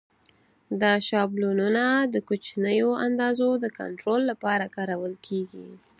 دا شابلونونه د کوچنیو اندازو د کنټرول لپاره کارول کېږي.